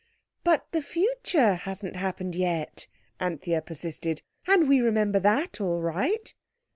"But the future hasn't happened yet," Anthea persisted, "and we remember that all right."